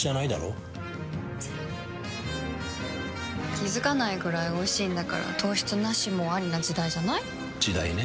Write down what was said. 気付かないくらいおいしいんだから糖質ナシもアリな時代じゃない？時代ね。